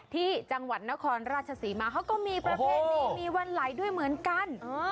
ที่จังหวัดนครราชศรีมาเขาก็มีประเพณีมีวันไหลด้วยเหมือนกัน